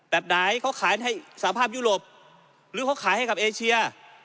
แบบไหนเขาขายให้สภาพยุโรปหรือเขาขายให้กับเอเชีย